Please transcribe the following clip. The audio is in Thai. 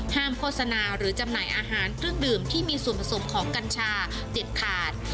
โฆษณาหรือจำหน่ายอาหารเครื่องดื่มที่มีส่วนผสมของกัญชาเด็ดขาด